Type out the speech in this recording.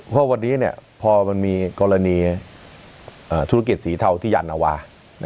เพราะวันนี้พอมันมีกรณีธุรกิจสีเทาที่ยานวา